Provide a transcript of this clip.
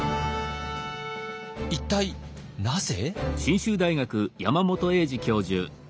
一体なぜ？